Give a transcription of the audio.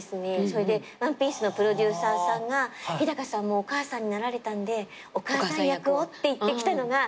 それで『ワンピース』のプロデューサーさんが日さんもお母さんになられたんでお母さん役をっていってきたのがベルメールさんで。